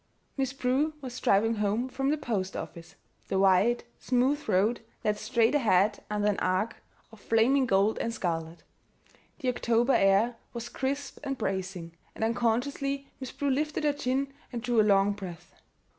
Miss Prue was driving home from the post office. The wide, smooth road led straight ahead under an arch of flaming gold and scarlet. The October air was crisp and bracing, and unconsciously Miss Prue lifted her chin and drew a long breath.